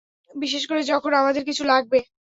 বিশেষ করে যখন আমাদের কিছু লাগবে।